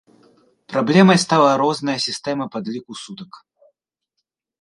Праблемай стала розная сістэма падліку сутак.